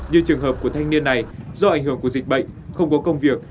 như trường hợp của thanh niên này do ảnh hưởng của dịch bệnh không có công việc